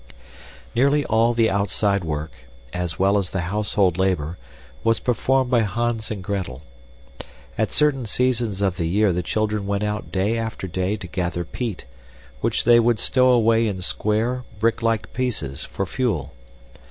Nearly all the outdoor work, as well as the household labor, was performed by Hans and Gretel. At certain seasons of the year the children went out day after day to gather peat, which they would stow away in square, bricklike pieces, for fuel.